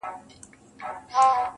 دغه رنگينه او حسينه سپوږمۍ.